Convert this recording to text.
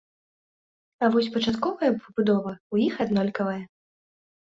А вось пачатковая пабудова ў іх аднолькавая.